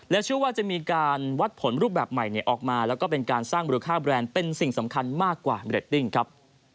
และเช่วว่าจะมีการวัดผลลูกแบบใหม่ออกมาและการสร้างบริคาแบรนซ์เป็นสิ่งสำคัญมากกว่าเนวเรตต์ติ้งครับ